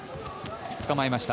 つかまえました。